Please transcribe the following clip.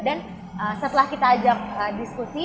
dan setelah kita ajak diskusi